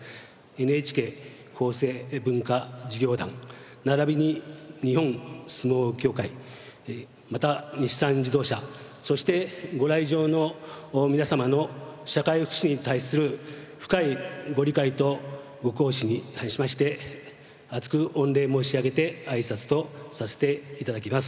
ＮＨＫ厚生文化事業団ならびに日本相撲協会また日産自動車そしてご来場の皆様の社会福祉に対する深いご理解とご厚志に対しましてあつく御礼申し上げて挨拶とさせて頂きます。